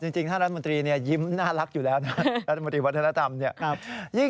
จริงท่านรัฐมนตรียิ้มน่ารักอยู่แล้วนะรัฐมนตรีวัฒนธรรมเนี่ย